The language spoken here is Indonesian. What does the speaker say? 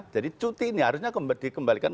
jadi cuti ini harusnya dikembalikan